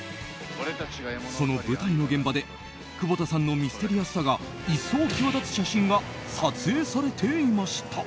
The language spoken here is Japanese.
その舞台の現場で久保田さんのミステリアスさが一層際立つ写真が撮影されていました。